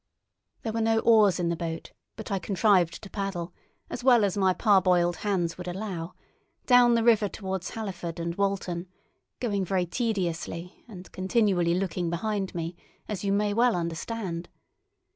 There were no oars in the boat, but I contrived to paddle, as well as my parboiled hands would allow, down the river towards Halliford and Walton, going very tediously and continually looking behind me, as you may well understand.